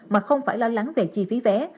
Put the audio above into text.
mà không phải lo lắng về chi phí vé